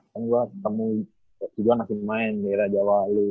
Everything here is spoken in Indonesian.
kan gue ketemu juhan asli main di daerah rajawali